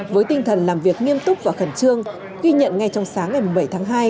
với tinh thần làm việc nghiêm túc và khẩn trương ghi nhận ngay trong sáng ngày bảy tháng hai